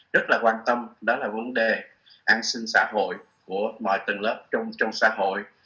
rất là quan tâm đó là vấn đề an sinh xã hội của mọi tầng lớp trong xã hội